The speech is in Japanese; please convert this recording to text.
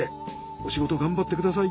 お仕事頑張ってください。